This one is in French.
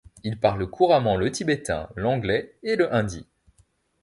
Il parle couramment le tibétain, l'anglais et le hindi.